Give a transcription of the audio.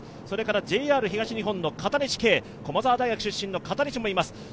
それからＪＲ東日本の駒澤大学出身の片西もいます。